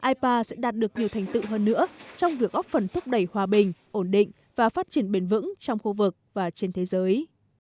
ipa sẽ đạt được nhiều thành tựu hơn nữa trong việc góp phần thúc đẩy hòa bình ổn định và phát triển bền vững trong khu vực và trên thế giới